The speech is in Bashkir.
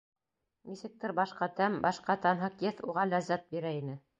Нисектер башҡа тәм, башҡа танһыҡ еҫ уға ләззәт бирә ине.